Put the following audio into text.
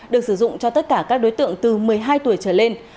được sử dụng cho tất cả các đối tượng từ một mươi hai tuổi trở lên